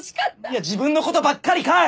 いや自分のことばっかりかい！